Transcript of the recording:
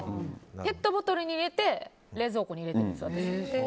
ペットボトルに入れて冷蔵庫に入れてます。